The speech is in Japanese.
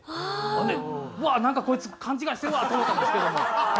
ほんでうわっなんかこいつ勘違いしてるわと思ったんですけども。